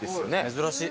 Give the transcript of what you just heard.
珍しい。